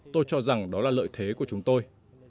tôi cho rằng đó là lợi thế của chúng tôi